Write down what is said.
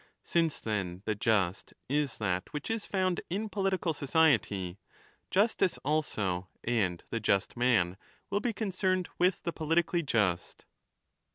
Since, then, the just is that which is found in political society, justice also and the just man will be concerned with the politically just.